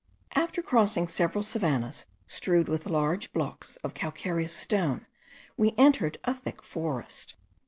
After crossing several savannahs strewed with large blocks of calcareous stone, we entered a thick forest.